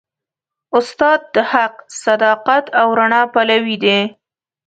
استاد د حق، صداقت او رڼا پلوي دی.